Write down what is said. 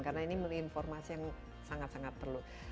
karena ini melalui informasi yang sangat sangat perlu